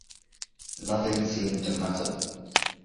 Nothing seemed to matter.